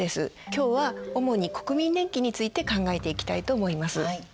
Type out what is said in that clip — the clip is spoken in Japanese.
今日は主に国民年金について考えていきたいと思います。